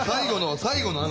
最後の穴。